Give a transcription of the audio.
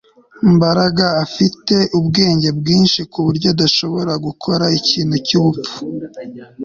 Mbaraga afite ubwenge bwinshi kuburyo adashobora gukora ikintu cyubupfu